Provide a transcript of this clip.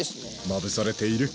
まぶされている。